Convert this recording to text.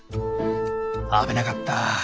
危なかった。